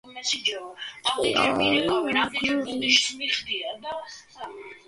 მის სიკვდილში ადანაშაულებდნენ გნეუს კალპურნიუს პიზონს, სირიის გუბერნატორს, რომელსაც გერმანიკუსის მოწამვლას აბრალებდნენ.